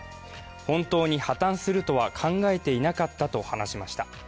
本当に破綻するとは考えていなかったと話しました。